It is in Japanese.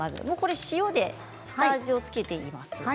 塩で下味を付けています。